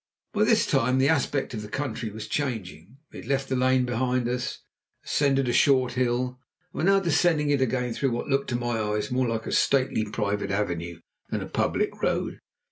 By this time the aspect of the country was changing. We had left the lane behind us, ascended a short hill, and were now descending it again through what looked to my eyes more like a stately private avenue than a public road.